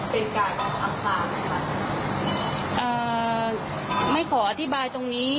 แม่มองว่าเป็นกายของอัมภาพไหมอ่าไม่ขออธิบายตรงนี้